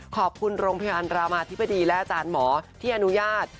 ขอบคุณโรงพยาบาลรามาธิบดีและอาจารย์หมอที่อนุญาต